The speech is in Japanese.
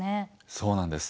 そうなんです。